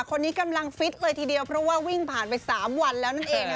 คนนี้กำลังฟิตเลยทีเดียวเพราะว่าวิ่งผ่านไป๓วันแล้วนั่นเอง